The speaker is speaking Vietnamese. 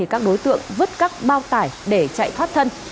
các đối tượng vứt các bao tải để chạy thoát thân